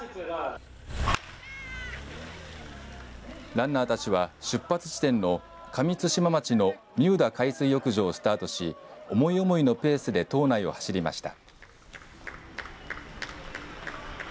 ランナーたちは出発地点の上対馬町の三宇田海水浴場をスタートし思い思いのペースで島内を走りました。